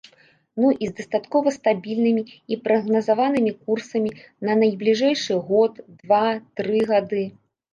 Ну, і з дастаткова стабільнымі і прагназаванымі курсамі на найбліжэйшыя год, два, тры гады.